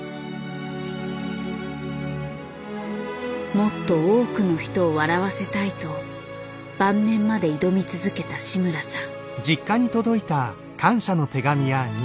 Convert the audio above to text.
もっと多くの人を笑わせたいと晩年まで挑み続けた志村さん。